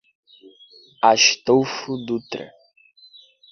Astolfo Dutra